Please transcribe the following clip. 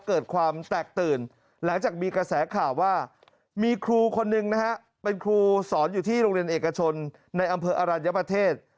เกิดความแตกตื่นหลังจากมีกระแสข่าวว่ามีครูคนหนึ่งนะฮะเป็นครูสอนอยู่ที่โรงเรียนเอกชนในอำเภออรัญญประเทศ